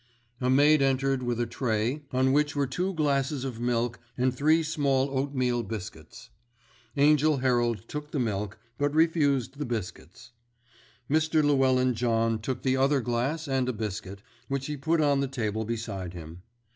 A maid entered with a tray on which were two glasses of milk and three small oatmeal biscuits. Angell Herald took the milk, but refused the biscuits. Mr. Llewellyn John took the other glass and a biscuit, which he put on the table beside him.